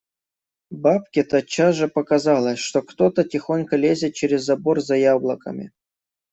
Бабке тотчас же показалось, что кто-то тихонько лезет через забор за яблоками.